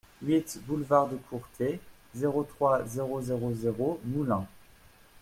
huit boulevard de Courtais, zéro trois, zéro zéro zéro Moulins